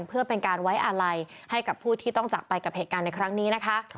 เพื่อเป็นการไว้อาลัยให้กับผู้ที่ต้องจากไปกับเหตุการณ์ในครั้งนี้นะคะ